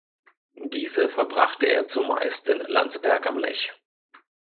Diese verbrachte er zumeist in Landsberg am Lech.